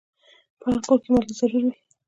په هر کور کې مالګه ضرور وي.